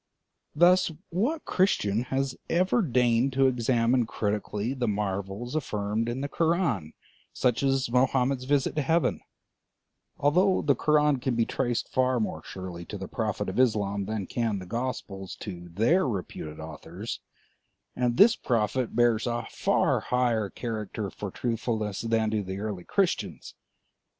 Thus, what Christian has ever deigned to examine critically the marvels affirmed in the Koran, such as Mohammed's visit to heaven; although the Koran can be traced far more surely to the Prophet of Islam than can the Gospels to their reputed authors, and this Prophet bears a far higher character for truthfulness than do the early Christians?